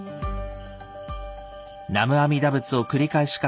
「南無阿弥陀仏」を繰り返し書く